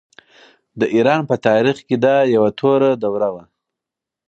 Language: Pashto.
د ایران په تاریخ کې دا یوه توره دوره وه.